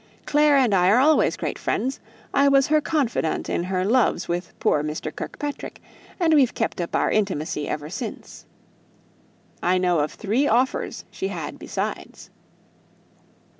"Clare and I are always great friends; I was her confidant in her loves with poor Mr. Kirkpatrick, and we've kept up our intimacy ever since. I know of three offers she had besides."